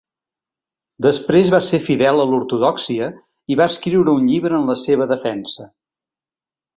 Després va ser fidel a l'ortodòxia i va escriure un llibre en la seva defensa.